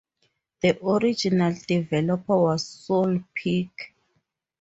The original developer was Saul Pick.